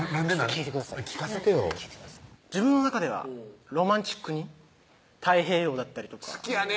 聞いてください聞かせてよ自分の中ではロマンチックに太平洋だったりとか好きやね